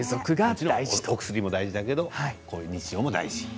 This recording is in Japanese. お薬も大事だけどこういう日常も大事。